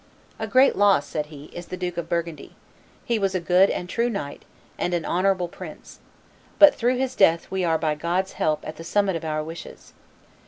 "A great loss," said he, "is the Duke of Burgundy; he was a good and true knight and an honorable prince; but through his death we are by God's help at the summit of our wishes.